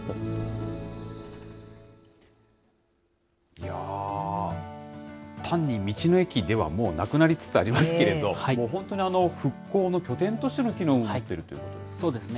いやぁ、単に道の駅ではもうなくなりつつありますけれど、もう本当に復興の拠点としての機能も入っているということですね。